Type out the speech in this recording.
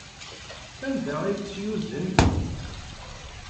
Sanda ay tt-yuzen?